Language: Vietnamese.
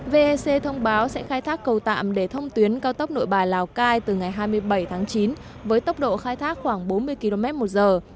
vec thông báo sẽ khai thác cầu tạm để thông tuyến cao tốc nội bài lào cai từ ngày hai mươi bảy tháng chín với tốc độ khai thác khoảng bốn mươi km một giờ